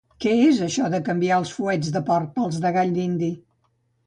Què és això de canviar els fuets de porc pels de gall dindi?